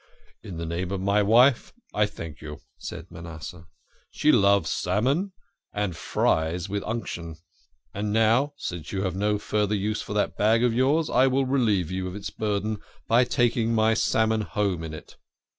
" In the name of my wife, I thank you," said Manasseh. " She loves salmon, and fries with unction. And now, since you have no further use for that bag of yours, I will relieve you of its burden by taking my salmon home in it."